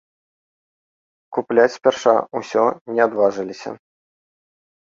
Купляць спярша ўсё не адважваліся.